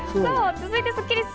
続いてスッキりす。